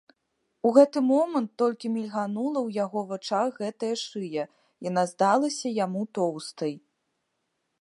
У гэты момант толькі мільганула ў яго вачах гэтая шыя, яна здалася яму тоўстай.